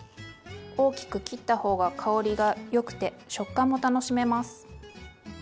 大きく切った方が香りがよくて食感も楽しめます。